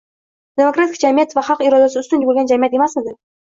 demokratik jamiyat esa xalq irodasi ustun bo‘lgan jamiyat emasmidi?!